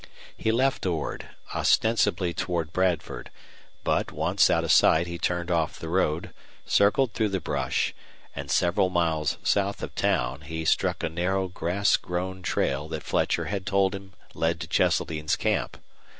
He left Ord, ostensibly toward Bradford, but, once out of sight, he turned off the road, circled through the brush, and several miles south of town he struck a narrow grass grown trail that Fletcher had told him led to Cheseldine's camp.